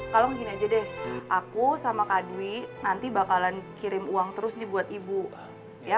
tolong gini aja deh aku sama kak dwi nanti bakalan kirim uang terus nih buat ibu ya